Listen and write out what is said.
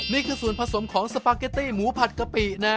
นี่คือส่วนผสมของสปาเกตตี้หมูผัดกะปินะ